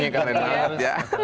pagi pagi nih karena di mana ya